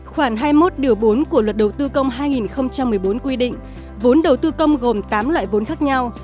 khoảng hai mươi một điều bốn của luật đầu tư công hai nghìn một mươi bốn quy định vốn đầu tư công gồm tám loại vốn khác nhau